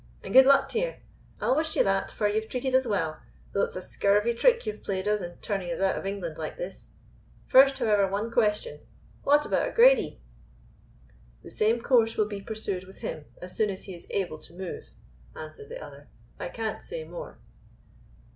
"An' good luck to ye. I'll wish ye that, for ye've treated us well, though it's a scurvy trick ye've played us in turning us out of England like this. First, however, one question. What about O'Grady?" "The same course will be pursued with him, as soon as he is able to move," answered the other. "I can't say more."